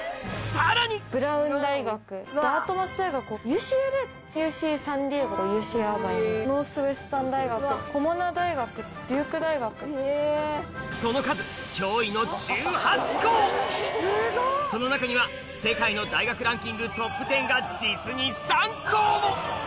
さらにその数驚異のその中には世界の大学ランキングトップ１０が実に３校も！